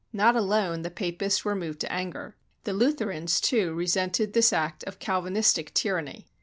Not alone the Papists were moved to anger; the Lutherans, too, re sented this act of Calvinistic tyranny.